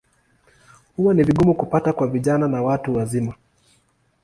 Huwa ni vigumu kupata kwa vijana na watu wazima.